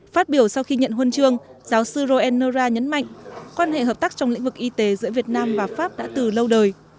phát biểu sau khi nhận huân chương giáo sư roenerra nhấn mạnh quan hệ hợp tác trong lĩnh vực y tế giữa việt nam và pháp đã từ lâu đời